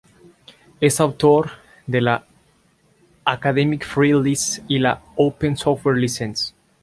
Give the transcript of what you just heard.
Es autor de la Academic Free License y la Open Software License.